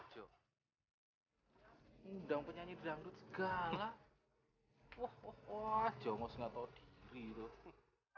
jogorjo undang penyanyi beranggut segala pohon jombos nggak tahu diri itu